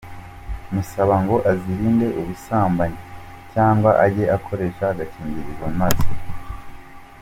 musaba ngo azirinde ubusambanyi cyangwa ajye akoresha agakingirizo maze.